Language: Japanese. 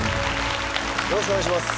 よろしくお願いします。